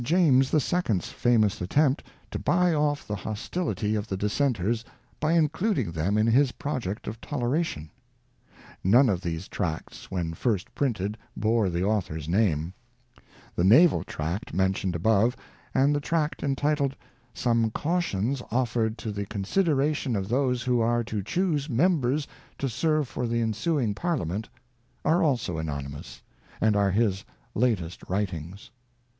James the Second's famous attempt to buy oft thej hostility b2 XX INTRODUCTION. hostility of the Dissenters by including them in his project of toleration. None of these tracts, when first printed, bore the author's name. The naval tract mentioned above, and the tract entitled Some Cautions Offered to the Con sideration of Those who are to Chuse Members to Serve for the Ensuing Parliament, are also anonymous, and are his latest writings.